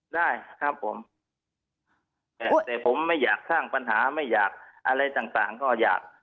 ได้ครับผมแต่ผมไม่อยากสร้างปัญหาไม่อยากอะไรต่างต่างก็อยาก